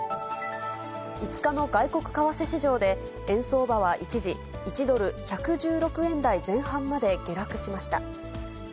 ５日の外国為替市場で、円相場は一時、１ドル１１６円台前半まで下落しました。